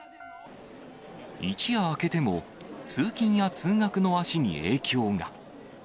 一夜明けても、通勤や通学の足に影響が。